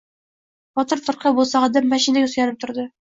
Botir firqa bo‘sag‘ada mashinaga suyanib turdi.